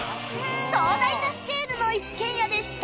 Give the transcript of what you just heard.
壮大なスケールの一軒家でした